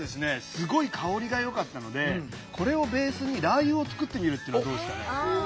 すごい香りがよかったのでこれをベースにラー油を作ってみるっていうのはどうですかね？